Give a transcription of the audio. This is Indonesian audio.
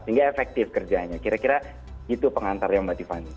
hingga efektif kerjanya kira kira itu pengantarnya mbak tiffany